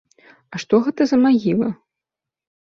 А што гэта за магіла?